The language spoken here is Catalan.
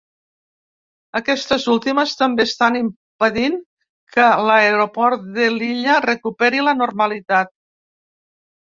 Aquestes últimes també estan impedint que l’aeroport de l’illa recuperi la normalitat.